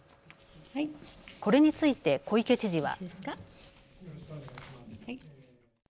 これについて小池知事は。